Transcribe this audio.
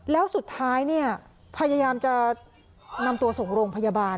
แล้วสุดท้ายเนี่ยพยายามจะนำตัวส่งโรงพยาบาล